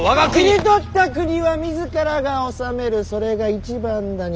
切り取った国は自らが治めるそれが一番だに。